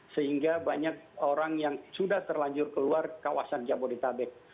sehingga banyak orang yang sudah terlanjur keluar kawasan jabodetabek